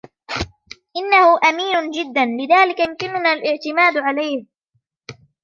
إنهُ أمين جداً, لذلك يمكننا الإعتماد عليه.